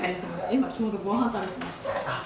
今ちょうど御飯食べてました。